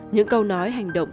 những câu nói hành động